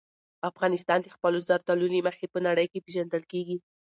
افغانستان د خپلو زردالو له مخې په نړۍ کې پېژندل کېږي.